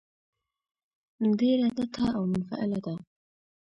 ډېره تته او منفعله ده.